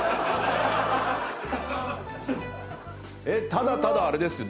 ただただあれですよ。